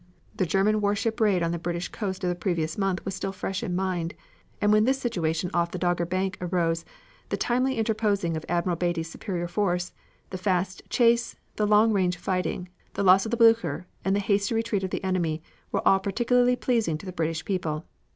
The German warship raid on the British coast of the previous month was still fresh in mind, and when this situation off the Dogger Bank arose the timely interposing of Admiral Beatty's superior force, the fast chase, the long range fighting, the loss of the Blucher and the hasty retreat of the enemy, were all particularly pleasing to the British people.